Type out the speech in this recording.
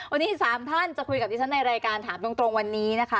วันนี้๓ท่านจะคุยกับดิฉันในรายการถามตรงวันนี้นะคะ